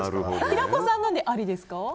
平子さん何で、ありですか？